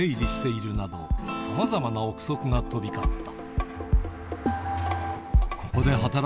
市橋はなどさまざまな臆測が飛び交った